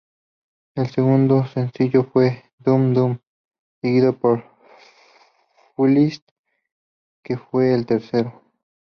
El segundo sencillo fue "Dunn Dunn", seguido de "Foolish", que fue el tercero.